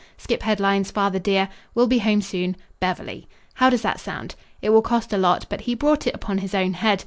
Skip headlines, father dear. Will be home soon. Beverly.' How does that sound? It will cost a lot, but he brought it upon his own head.